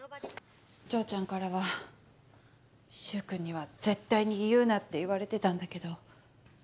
丈ちゃんからは柊君には絶対に言うなって言われてたんだけど。